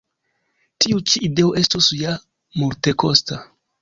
Tiu ĉi ideo estus ja multekosta.